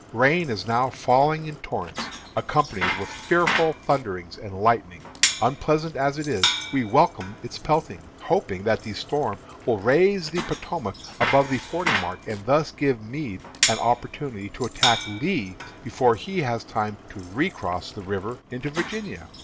Rain is now falling in torrents, accompanied with fearful thunderings and lightnings. Unpleasant as it is, we welcome its peltings, hoping that the storm will raise the Potomac above the fording mark, and thus give Meade an opportunity to attack Lee before he has time to recross the river into Virginia.